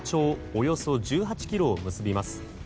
およそ１８ｋｍを結びます。